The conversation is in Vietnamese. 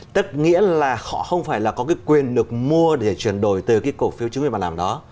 tất nghĩa là họ không phải là có cái quyền được mua để chuyển đổi từ cái cổ phiếu chứng quyền mà làm đó